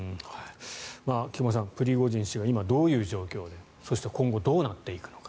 菊間さん、プリゴジン氏は今どういう状況でそして今後どうなっていくのか。